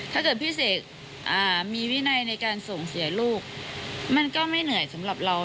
ถ้าเกิดพี่เสกมีวินัยในการส่งเสียลูกมันก็ไม่เหนื่อยสำหรับเรา